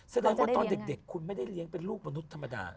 แสดงว่าตอนเด็กคุณไม่ได้เลี้ยงเป็นลูกมนุษย์ธรรมดา